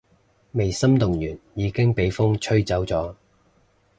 未心動完已經畀風吹走咗